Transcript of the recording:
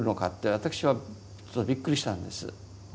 私はちょっとびっくりしたんです。